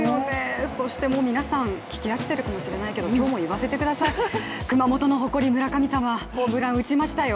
そして皆さん、もう聞き飽きているかもしれないけど、今日も言わせてください、熊本の誇り、村神様、打ちましたよ。